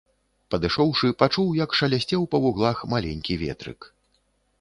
Падышоўшы, пачуў, як шалясцеў па вуглах маленькі ветрык.